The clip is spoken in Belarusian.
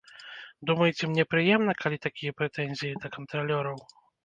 Думаеце, мне прыемна, калі такія прэтэнзіі да кантралёраў?